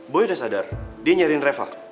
boy udah sadar dia nyariin reva